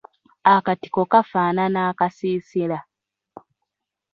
Akatiko kafaanana akasiisira.